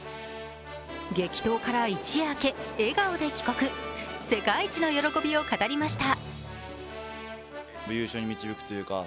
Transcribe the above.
激闘から一夜明け、笑顔で帰国世界一の喜びを語りました。